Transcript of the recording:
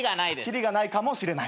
切りがないかもしれない。